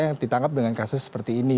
yang ditangkap dengan kasus seperti ini